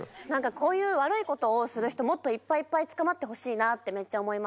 こういう悪いことをする人もっといっぱいいっぱい捕まってほしいなってめっちゃ思いました。